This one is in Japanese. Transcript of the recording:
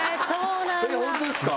えっ本当ですか？